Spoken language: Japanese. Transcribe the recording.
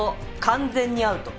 完全にアウト。